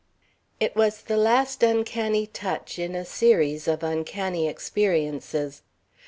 It was the last uncanny touch in a series of uncanny experiences.